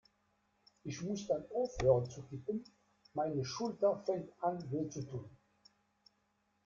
Ich muss dann aufhören zu tippen, meine Schulter fängt an weh zu tun.